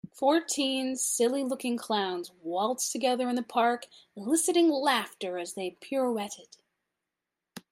Fourteen silly looking clowns waltzed together in the park eliciting laughter as they pirouetted.